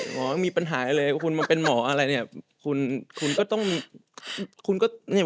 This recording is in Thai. หมอมีปัญหาเลยคุณมาเป็นหมออะไรเนี่ย